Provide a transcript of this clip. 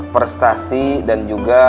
prestasi dan juga